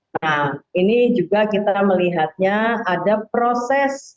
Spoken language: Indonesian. nah ini juga kita melihatnya ada proses